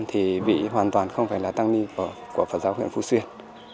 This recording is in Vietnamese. thì vị hoàn toàn không phải là tăng ni của phật giáo huyện phú xuyên